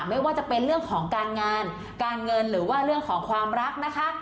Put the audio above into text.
ไม่ว่าจะเป็นเรื่องของการงานการเงินหรือว่าเรื่องของความรักนะคะ